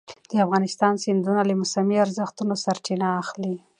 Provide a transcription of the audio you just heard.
د افغانستان سیندونه له موسمي اورښتونو سرچینه اخلي.